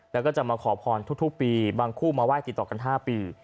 แล้วก็จะมาขอพรทุกปีบางคู่มาไห้ติดต่อกัน๕ปี